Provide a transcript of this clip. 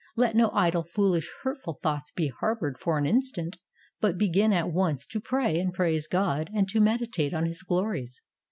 Let no idle, foolish, hurtful thoughts be harbored for an instant, but begin at once to pray and praise God and to meditate on His glories.